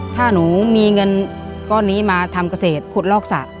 ถ้าหนูมีเงินก้อนนี้มาทำเกษตรขุดลอกสระ